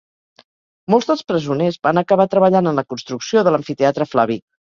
Molts dels presoners van acabar treballant en la construcció de l'Amfiteatre Flavi.